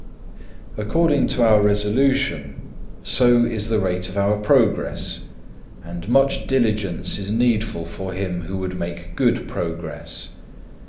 2. According to our resolution so is the rate of our progress, and much diligence is needful for him who would make good progress.